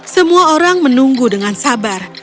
semua orang menunggu dengan sabar